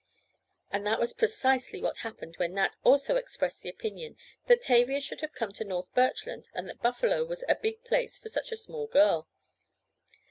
And that was precisely what happened when Nat also expressed the opinion that Tavia should have come to North Birchland and that Buffalo was "a big place for such a small girl."